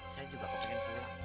saya juga pengen pulang